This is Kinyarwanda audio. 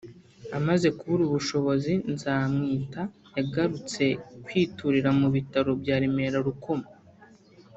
Amaze kubura ubushobozi Nzamwita yagarutse kwiturira mu bitaro bya Remera Rukoma